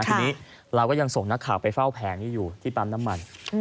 ทีนี้เราก็ยังส่งนักข่าวไปเฝ้าแผงนี้อยู่ที่ปั๊มน้ำมัน